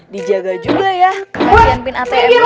dijaga juga ya kegagian pin atmnya